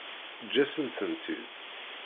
Eǧǧ-asent-tent-id.